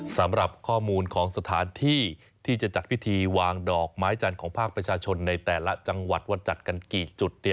สำหรับข้อมูลของสถานที่ที่จะจัดพิธีวางดอกไม้จันทร์ของภาคประชาชนในแต่ละจังหวัดว่าจัดกันกี่จุด